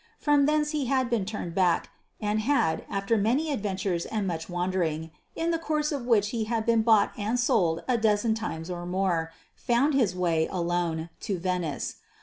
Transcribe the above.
From thence he had been turned back, and had, after many adventures and much wandering in the course of which he had been bought and sold a dozen times or more, found his way, alone, to Venice.